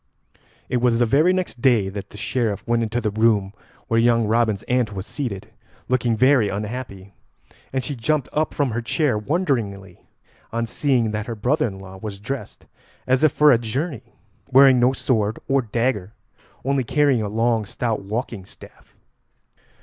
It was the very next day that the Sheriff went into the room where young Robin's aunt was seated, looking very unhappy, and she jumped up from her chair wonderingly on seeing that her brother in law was dressed as if for a journey, wearing no sword or dagger, only carrying a long stout walking staff.